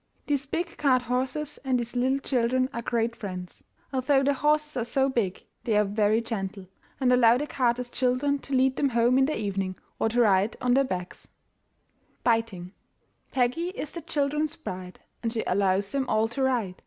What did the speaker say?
These big carthorses and these little children are great friends. Although the horses are so big, they are very gentle, and allow the carter's children to lead them home in the evening, or to ride on their backs. BITING. Peggy is the children's pride, And she allows them all to ride.